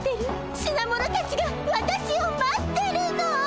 品物たちが私を待ってるの！